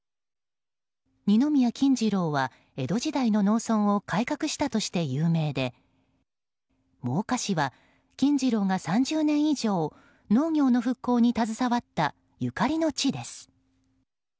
二宮金次郎は江戸時代の農村を改革したとして有名で真岡市は金次郎が３０年以上農業の復興に携わったゆかりの地です。